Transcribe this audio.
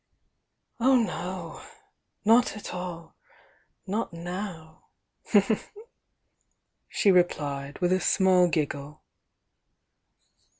"Oh, no!— not at all— not now!" she replied, with a small giggle.